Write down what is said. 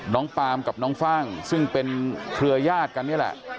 ปาล์มกับน้องฟ่างซึ่งเป็นเครือญาติกันนี่แหละ